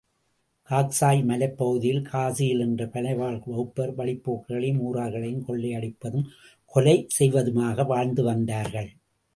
Caucasus மலைப் பகுதியில் காசியில் என்ற மலைவாழ் வகுப்பார், வழிப்போக்கர்களையும் ஊரார்களையும் கொள்ளையடிப்பதும், கொலை செய்வதுமாக வாழ்ந்து வந்தார்கள்.